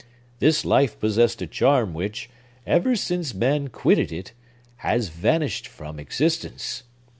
This life possessed a charm which, ever since man quitted it, has vanished from existence.